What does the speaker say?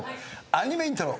アニメイントロ。